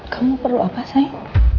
kamu perlu apa sayang